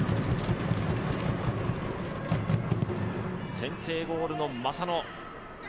先制ゴールの正野。